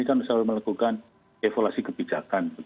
selalu melakukan evolusi kebijakan